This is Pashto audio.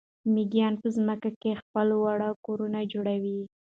مېږیان په ځمکه کې خپل واړه کورونه جوړوي.